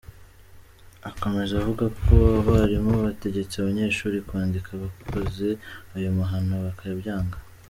Akomeza avuga ko abarimu bategetse abanyeshuri kwandika abakoze ayo mahano bakabyanga.